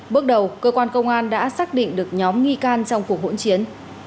bước đầu cơ quan công an đã xác định được nhóm nghi can trong cuộc hỗn chiến